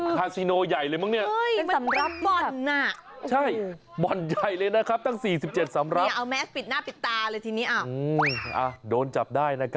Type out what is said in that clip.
ป้าวไม่ได้เล่นรำบี้